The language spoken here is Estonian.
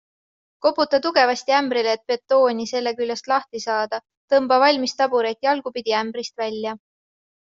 Koputa tugevasti ämbrile, et betooni selle küljest lahti saada, tõmba valmis taburet jalgupidi ämbrist välja.